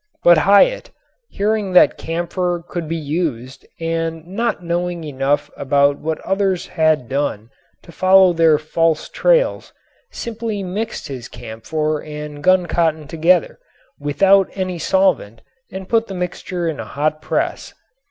But Hyatt, hearing that camphor could be used and not knowing enough about what others had done to follow their false trails, simply mixed his camphor and guncotton together without any solvent and put the mixture in a hot press.